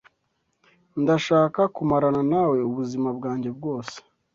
Ndashaka kumarana nawe ubuzima bwanjye bwose.